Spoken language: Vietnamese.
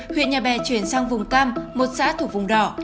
huyện nhà bè chuyển sang vùng cam một xã thủ vùng đỏ